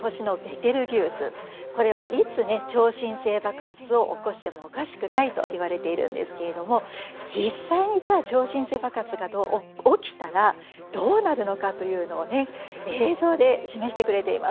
これはいつね超新星爆発を起こしてもおかしくないといわれているんですけれども実際にじゃあ超新星爆発が起きたらどうなるのかというのをね映像で示してくれています。